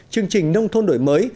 chương trình nông thôn đổi mới